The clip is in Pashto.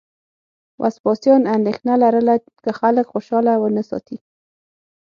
وسپاسیان اندېښنه لرله که خلک خوشاله ونه ساتي